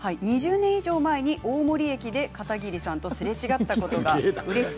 ２０年以上前に大森駅で片桐さんとすれ違ったことがあります。